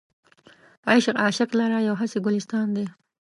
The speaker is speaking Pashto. عشق عاشق لره یو هسې ګلستان دی.